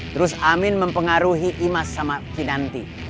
terus amin mempengaruhi imas sama kinanti